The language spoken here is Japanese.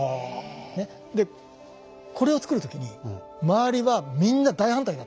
ねっでこれを作る時に周りはみんな大反対だったんです。